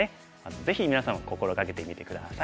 ぜひみなさんも心掛けてみて下さい。